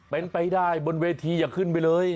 เป็นไปได้บนเวทีอย่าขึ้นไปเลย